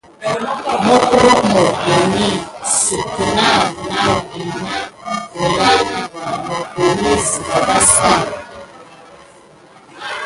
Mogroh mokoni mis migete suck kena nakum na wurare naban mokoni siga vasba.